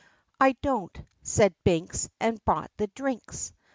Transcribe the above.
I don't," said Binks, and bought the drinks.